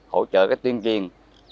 hỗ trợ tuyên truyền